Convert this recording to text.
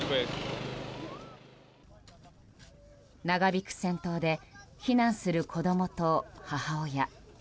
長引く戦闘で避難する子供と母親。